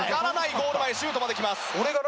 ゴール前シュートまで来ます。